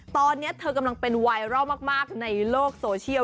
ตอนนี้เธอกำลังเป็นไวรัลมากในโลกโซเชียล